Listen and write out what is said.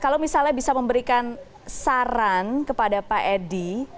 kalau misalnya bisa memberikan saran kepada pak edi